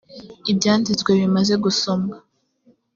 ibyanditswe bimaze gusomwa